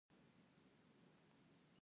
آب وهوا د افغان ځوانانو لپاره دلچسپي لري.